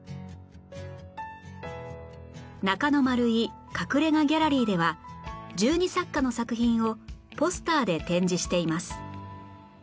中野マルイ隠れ家ギャラリーでは１２作家の作品をポスターで展示しています